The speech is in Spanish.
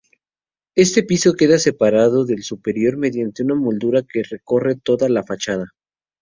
Este piso queda separado del superior mediante una moldura que recorre toda la fachada.